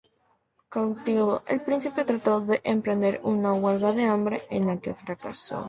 Cautivo, el príncipe trató de emprender una huelga de hambre, en la que fracasó.